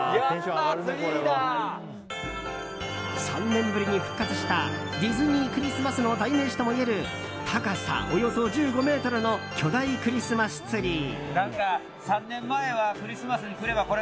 ３年ぶりに復活したディズニー・クリスマスの代名詞ともいえる高さおよそ１５ｍの巨大クリスマスツリー。